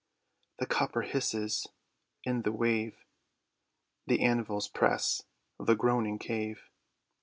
The copper hisses in the wave. The anvils press the groaning cave.